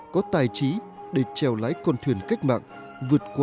có tài trí để treo lái con thuyền cách mạng